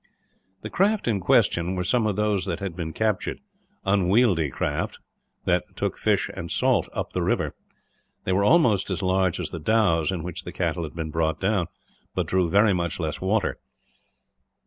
The craft in question were some of those that had been captured unwieldy craft, that took fish and salt up the river. They were almost as large as the dhows in which the cattle had been brought down, but drew very much less water.